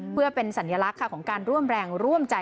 เพื่อเป็นสัญลักษณ์ของการร่วมแรงร่วมใจ